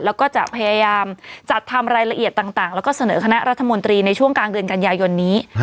แล้วก็จะพยายามจัดทำรายละเอียดต่างแล้วก็เสนอคณะรัฐมนตรีในช่วงกลางเดือนกันยายนนี้